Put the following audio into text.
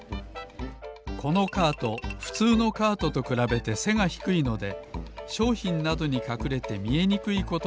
このカートふつうのカートとくらべてせがひくいのでしょうひんなどにかくれてみえにくいことがあります。